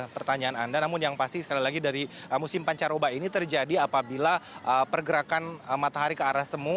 pertanyaan anda namun yang pasti sekali lagi dari musim pancaroba ini terjadi apabila pergerakan matahari ke arah semu